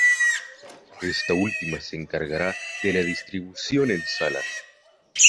Esta última se encargará de la distribución en salas.